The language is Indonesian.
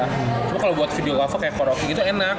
cuma kalau buat videografer kayak koro ki gitu enak